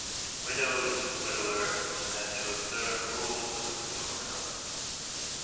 Widows and widowers had to observe rules of a similar kind.